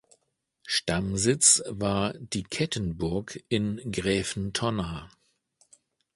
Stammsitz war die Kettenburg in Gräfentonna.